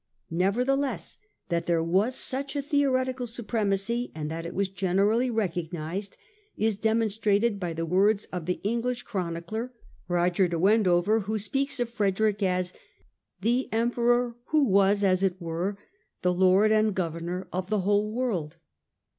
Neverthe less, that there was such a theoretical supremacy and that it was generally recognised, is demonstrated by the words of the English chronicler, Roger de Wendover, who speaks of Frederick as " the Emperor, who was, as it were, the lord and governor of the whole world."